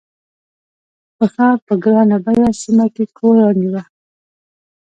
په ښار په ګران بیه سیمه کې کور رانیوه.